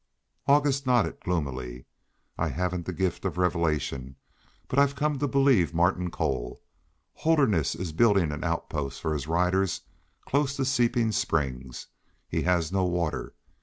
August nodded gloomily. "I haven't the gift of revelation, but I've come to believe Martin Cole. Holderness is building an outpost for his riders close to Seeping Springs. He has no water.